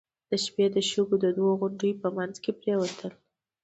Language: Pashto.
د شپې د شګو د دوو غونډيو په مينځ کې پرېوتل.